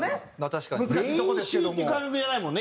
「練習」っていう感覚じゃないもんね